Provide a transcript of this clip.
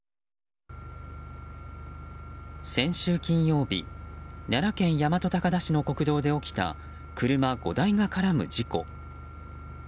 先週金曜日、奈良県大和高田市の国道で起きた車５台が絡む事故。